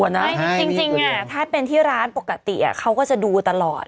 ไม่จริงถ้าเป็นที่ร้านปกติเขาก็จะดูตลอด